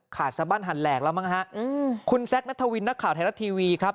สบั้นหันแหลกแล้วมั้งฮะอืมคุณแซคนัทวินนักข่าวไทยรัฐทีวีครับ